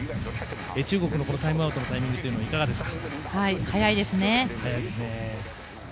中国のタイムアウトのタイミングいかがですか？